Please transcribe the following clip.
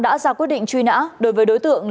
đã ra quyết định truy nã đối với đối tượng